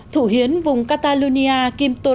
thủ hiến vùng catalonia quim toral